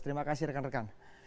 terima kasih rekan rekan